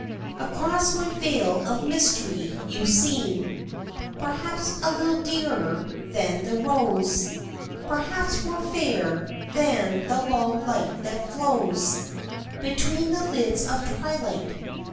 Across my veil of mystery you seem Perhaps a little dearer than the rose, Perhaps more fair than the long light that flows Between the lids of twilight.